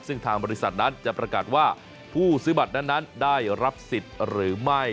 ซึ่งทางบริษัทนั้นจะประกาศว่าผู้ซื้อบัตรนั้นได้รับสิทธิ์หรือไม่